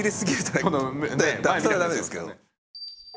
それはダメですけど。